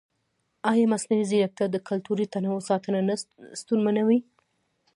ایا مصنوعي ځیرکتیا د کلتوري تنوع ساتنه نه ستونزمنوي؟